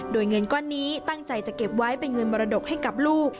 โดยเงินก้อนนี้ตั้งใจจะเก็บไว้เป็นเงินมรดกให้กับลูก